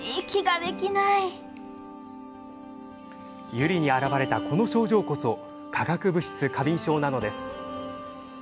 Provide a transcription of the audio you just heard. ユリに現れたこの症状こそ化学物質過敏症なのです。